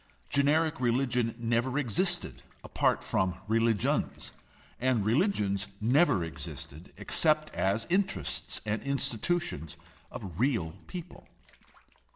Generic religion never existed apart from religions, and religions never existed except as interests and institutions of real people.